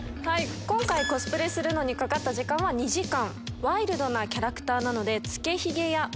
今回コスプレにかかった時間は２時間。